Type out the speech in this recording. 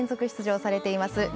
出場されています